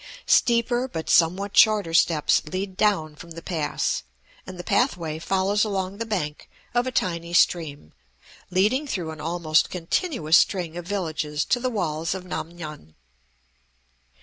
Steeper but somewhat shorter steps lead down from the pass, and the pathway follows along the bank of a tiny stream, leading through an almost continuous string of villages to the walls of Nam ngan.